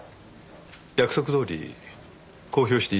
約束どおり公表していいですね？